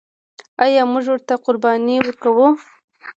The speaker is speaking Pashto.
آیا موږ ورته قرباني ورکوو؟